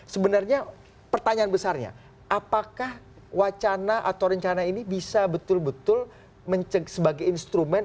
sebenarnya pertanyaan besarnya apakah wacana atau rencana ini bisa betul betul sebagai instrumen